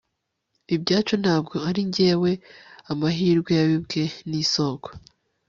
Ibyacu ntabwo ari ingemwe amahirwe yabibwe nisoko